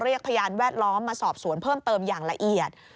พยานแวดล้อมมาสอบสวนเพิ่มเติมอย่างละเอียด